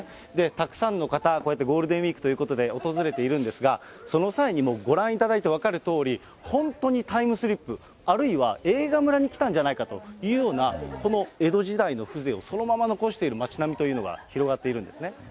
たくさんの方、こうやってゴールデンウィークということで訪れているんですが、その際にも、ご覧いただいて分かるとおり、本当にタイムスリップ、あるいは映画村に来たんじゃないかというようなこの江戸時代の風情をそのまま残している町並みというのが広がっているんですね。